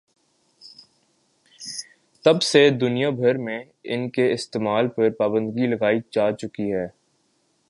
تب سے دنیا بھر میں ان کے استعمال پر پابندی لگائی جاچکی ہے